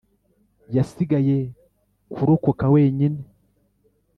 yasigaye kurokoka wenyine.